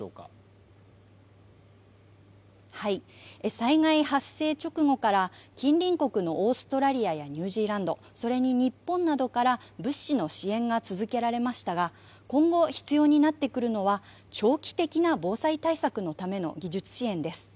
災害発生直後から近隣国のオーストラリアやニュージーランドそれに日本などから物資の支援が続けられましたが今後、必要になってくるのは長期的な防災対策のための技術支援です。